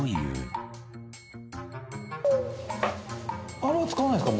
「あれは使わないんですか？